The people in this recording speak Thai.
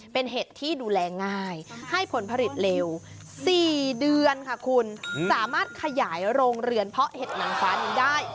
เป็นเห็ดที่ดูแลง่ายให้ผลผลิตเร็ว๔เดือนค่ะคุณสามารถขยายโรงเรือนเพาะเห็ดหนังฟ้านี้ได้